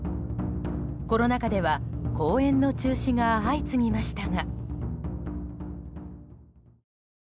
コロナ禍では公演の中止が相次ぎましたが。